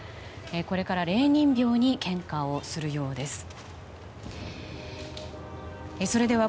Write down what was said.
これからレーニン廟に献花をするようです。